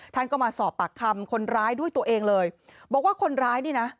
ท่านก็มาสอบปากคำคนร้ายด้วยตัวเองเลยบอกว่าคนร้ายนี่นะ